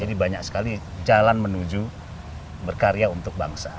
jadi banyak sekali jalan menuju berkarya untuk bangsa